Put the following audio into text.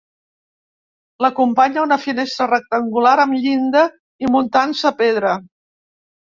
L'acompanya una finestra rectangular amb llinda i muntants de pedra.